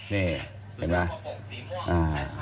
นี่เห็นมั้ยอ่า